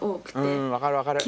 うん分かる分かる。